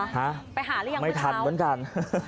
ไปหารึยังพี่เขาไม่ทันเหมือนกัน